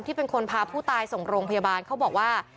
เป็นคนพาผู้ตายส่งโรงพยาบาลเขาบอกว่า